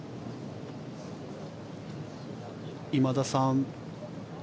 今田さん。